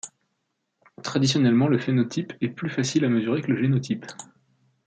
Traditionnellement, le phénotype est plus facile à mesurer que le génotype.